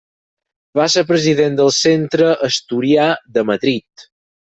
Va ser president del Centre Asturià de Madrid.